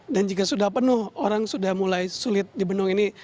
dan jika sudah penuh orang sudah mulai sulit di benung ini